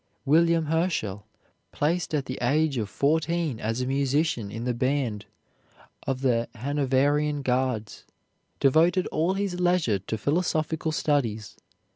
William Herschel, placed at the age of fourteen as a musician in the band of the Hanoverian Guards, devoted all his leisure to philosophical studies.